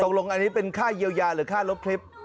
ตกลงอันนี้เป็นค่าเยียวยาหรือค่าลบคลิป